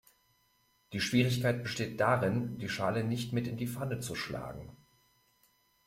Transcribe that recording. Die Schwierigkeit besteht darin, die Schale nicht mit in die Pfanne zu schlagen.